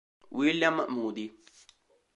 William Moody